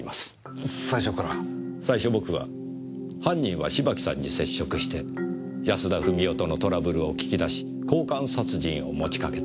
最初僕は犯人は芝木さんに接触して安田富美代とのトラブルを聞き出し交換殺人を持ちかけた。